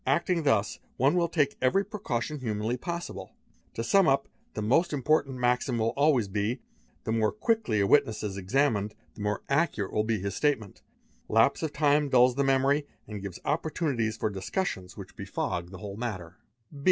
Acting thus, one will take every precaution humanly possible To sum up, the most important maxim will always be; "the more quickly a witness is examined, the more accurate will be his statement." Lapse of time dulls the memory and gives opportunities for discussions which befog the whole matter.